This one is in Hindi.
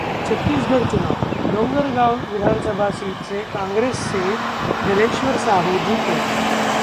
छत्तीसगढ़ चुनाव: डोंगरगांव विधानसभा सीट से कांग्रेस से दलेश्वर साहू जीते